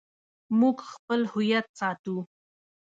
موږ خپل هویت ساتو